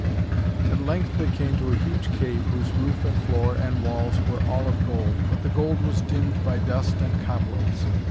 At length they came to a huge cave whose roof and floor and walls were all of gold, but the gold was dimmed by dust and cobwebs.